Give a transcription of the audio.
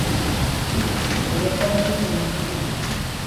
Pero é parte da negación.